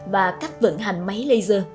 và cách vận hành máy laser